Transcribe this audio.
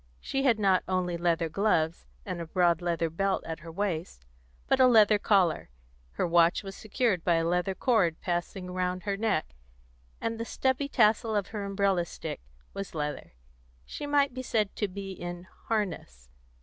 She had not only leather gloves, and a broad leather belt at her waist, but a leather collar; her watch was secured by a leather cord, passing round her neck, and the stubby tassel of her umbrella stick was leather: she might be said to be in harness.